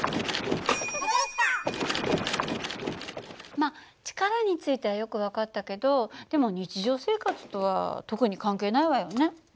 まあ力についてはよく分かったけどでも日常生活とは特に関係ないわよね。